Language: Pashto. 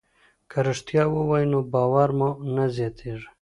که رښتیا ووایو نو باور مو زیاتېږي.